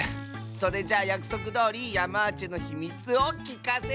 それじゃあやくそくどおりヤマーチェのひみつをきかせて！